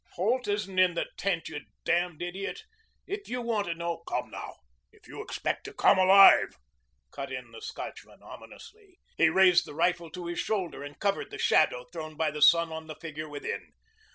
"Holt isn't in that tent, you damned idiot. If you want to know " "Come now, if you expect to come alive," cut in the Scotchman ominously. He raised the rifle to his shoulder and covered the shadow thrown by the sun on the figure within.